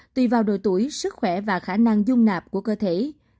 tùy vào độ tuổi sức khỏe và khả năng dung nạp của cơ thể